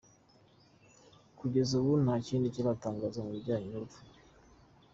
Kugeza ubu, nta kindi kiratangazwa ku bijyanye n’urupfu rwe.